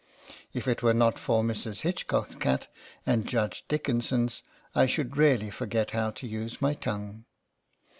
If it were not for Mrs. Hitchcock's cat, and Judge Dickin son's, I should really forget how to use my tongue.